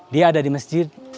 dia ada di masjid